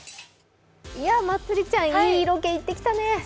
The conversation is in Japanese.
まつりちゃん、いいロケ行ってきたね。